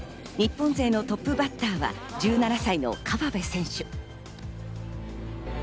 日本勢のトップバッターは１７歳の河辺選手。